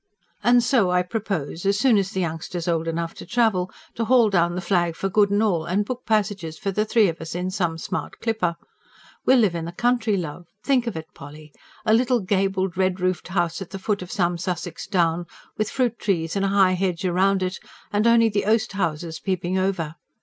"And so I propose, as soon as the youngster's old enough to travel, to haul down the flag for good and all, and book passages for the three of us in some smart clipper. We'll live in the country, love. Think of it, Polly! A little gabled, red roofed house at the foot of some Sussex down, with fruit trees and a high hedge round it, and only the oast houses peeping over.